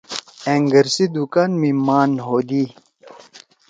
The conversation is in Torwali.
أنگر سی دوکان می مان ہودی۔